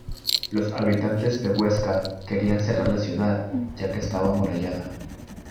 Los habitantes de Huesca querían cerrar la ciudad ya que estaba amurallada.